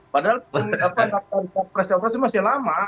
padahal capres capres itu masih lama